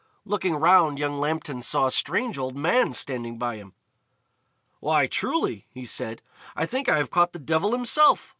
Looking round, young Lambton saw a strange old man standing by him. "Why, truly," he said, "I think I have caught the devil himself.